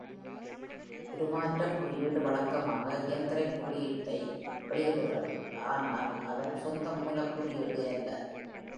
உருமாற்றக் குறியீடு வழக்கமாக இயந்திரக் குறியீட்டை வெளியிடுகிறது, ஆனால் அதன் சொந்த மூலக் குறியீடு அல்ல.